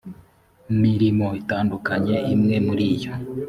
mirimo itandukanye imwe muri iyo